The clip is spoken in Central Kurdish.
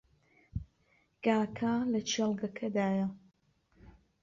گاکە لە کێڵگەکەدایە.